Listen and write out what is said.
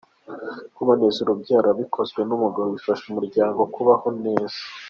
Kuboneza urubyaro bikozwe n’umugabo bifasha umuryango kubaho neza